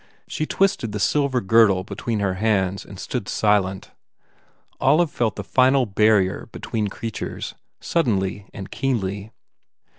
She twisted the silver girdle between her hands and stood silent. Olive felt the final barrier be tween creatures, suddenly and keenly.